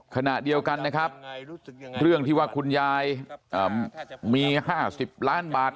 ขณะเดียวกันนะครับเรื่องที่ว่าคุณยายมี๕๐ล้านบาท